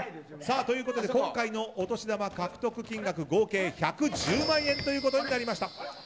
今回のお年玉獲得金額合計１１０万円となりました。